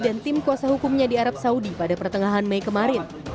tim kuasa hukumnya di arab saudi pada pertengahan mei kemarin